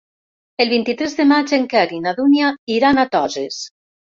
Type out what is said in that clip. El vint-i-tres de maig en Quer i na Dúnia iran a Toses.